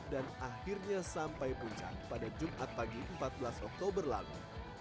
dan akhirnya sampai puncak pada jumat pagi empat belas oktober lalu